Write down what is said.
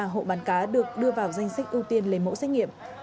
ba hộ bán cá được đưa vào danh sách ưu tiên lấy mẫu xét nghiệm